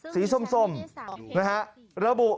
สีส้มนะฮะ